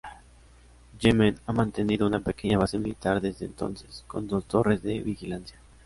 Yemen ha mantenido una pequeña base militar desde entonces, con dos torres de vigilancia.